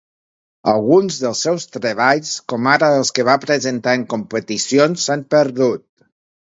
Alguns dels seus treballs, com ara els que va presentar en competicions s'han perdut.